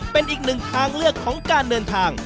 เป็นอีกหนึ่งทางเลือกของการเดินทาง